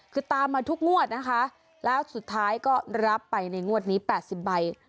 คือตามมาทุกงวดนะคะแล้วสุดท้ายก็รับไปในงวดนี้๘๐ใบ